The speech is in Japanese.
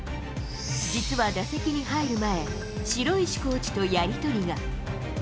実は打席に入る前、城石コーチとやり取りが。